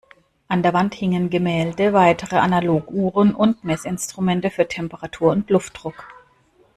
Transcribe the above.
An der Wand hingen Gemälde, weitere Analoguhren und Messinstrumente für Temperatur und Luftdruck.